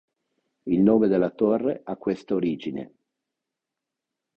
Il nome della torre ha questa origine.